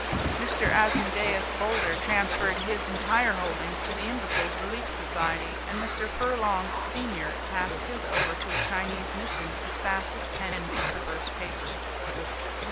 Mr. Asmodeus Boulder transferred his entire holdings to the Imbeciles' Relief Society, and Mr. Furlong, senior, passed his over to a Chinese mission as fast as pen could traverse paper.